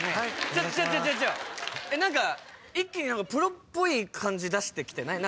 一気にプロっぽい感じ出して来てない？